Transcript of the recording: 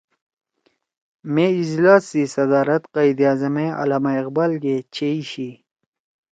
مے اجلاس سی صدارت قائداعظم ئے علامہ اقبال گے چھیئی شی